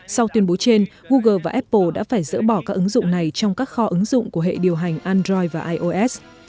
sau tuyên bố trên google và apple đã phải dỡ bỏ các ứng dụng này trong các kho ứng dụng của hệ điều hành android và ios